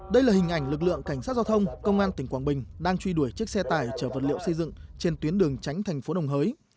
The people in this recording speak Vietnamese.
đây là hình ảnh lực lượng cảnh sát giao thông công an tỉnh quảng bình đang truy đuổi chiếc xe tải chở vật liệu xây dựng trên tuyến đường tránh thành phố đồng hới